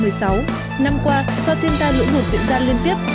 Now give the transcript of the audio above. năm qua do thiên tai lũ lụt diễn ra liên tiếp